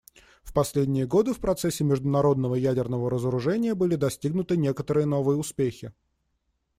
В последние годы в процессе международного ядерного разоружения были достигнуты некоторые новые успехи.